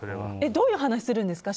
どういう話するんですか？